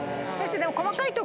でも。